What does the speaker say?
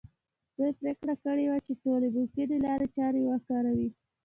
دوی پرېکړه کړې وه چې ټولې ممکنه لارې چارې کاروي.